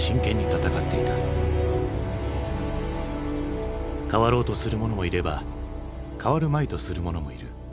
変わろうとする者もいれば変わるまいとする者もいる。